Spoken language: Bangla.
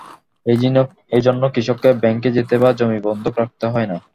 এ জন্য কৃষককে ব্যাংকে যেতে বা জমি বন্ধক রাখতে হয় না।